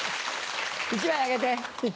１枚あげて。